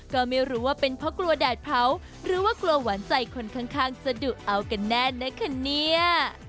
ก็ไม่รู้ว่าเป็นเพราะกลัวแดดเผาหรือว่ากลัวหวานใจคนข้างจะดุเอากันแน่นะคะเนี่ย